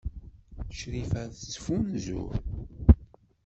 Crifa ad tettfunzur.